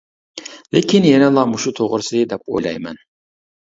لېكىن يەنىلا مۇشۇ توغرىسى دەپ ئويلايمەن.